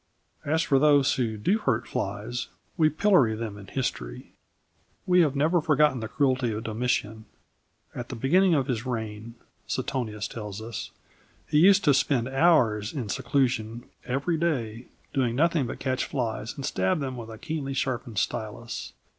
As for those who do hurt flies, we pillory them in history. We have never forgotten the cruelty of Domitian. "At the beginning of his reign," Suetonius tells us "he used to spend hours in seclusion every day, doing nothing but catch flies and stab them with a keenly sharpened stylus.